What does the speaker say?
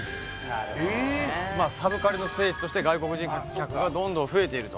サブカルの聖地として外国人客がどんどん増えていると。